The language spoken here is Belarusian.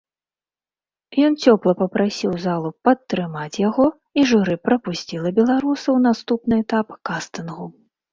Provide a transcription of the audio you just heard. Ён цёпла папрасіў залу падтрымаць яго, і журы прапусціла беларуса ў наступны этап кастынгу.